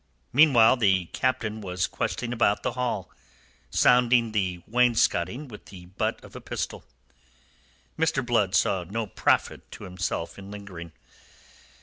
Meanwhile, the Captain was questing about the hall, sounding the wainscoting with the butt of a pistol. Mr. Blood saw no profit to himself in lingering.